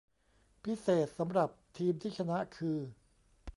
พิเศษสำหรับทีมที่ชนะคือ